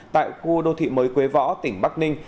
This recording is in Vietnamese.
tại khu đô thị mới quế võ tỉnh bắc ninh